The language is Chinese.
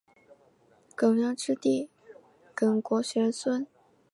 耿弇之弟耿国的玄孙。